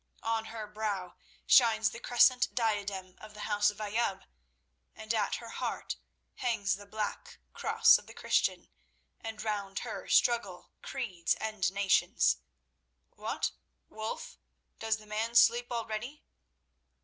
On her brow shines the crescent diadem of the house of Ayoub, and at her heart hangs the black cross of the Christian and round her struggle creeds and nations. What, Wulf, does the man sleep already?"